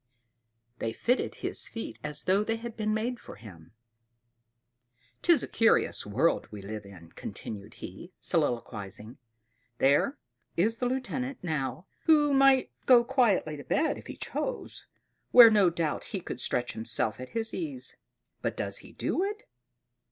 They fitted his feet as though they had been made for him. "'Tis a curious world we live in," continued he, soliloquizing. "There is the lieutenant, now, who might go quietly to bed if he chose, where no doubt he could stretch himself at his ease; but does he do it?